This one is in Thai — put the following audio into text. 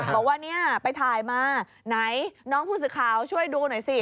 บอกว่าเนี่ยไปถ่ายมาไหนน้องผู้สื่อข่าวช่วยดูหน่อยสิ